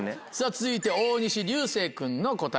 続いて大西流星君の答え